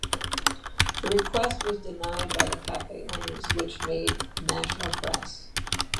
The request was denied by the cafe owners which made national press.